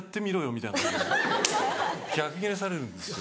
みたいな逆ギレされるんですよ。